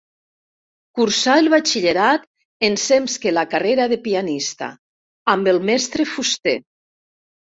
Cursà el batxillerat ensems que la carrera de pianista, amb el mestre Fuster.